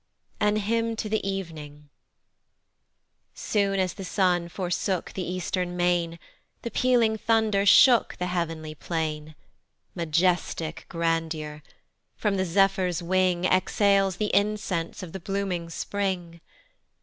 An HYMN to the EVENING. SOON as the sun forsook the eastern main The pealing thunder shook the heav'nly plain; Majestic grandeur! From the zephyr's wing, Exhales the incense of the blooming spring.